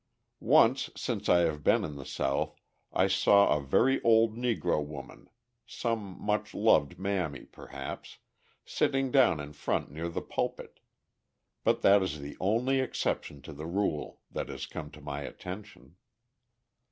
Once since I have been in the South, I saw a very old Negro woman, some much loved mammy, perhaps sitting down in front near the pulpit, but that is the only exception to the rule that has come to my attention.